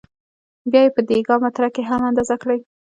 بیا یې په دېکا متره کې هم اندازه کړئ.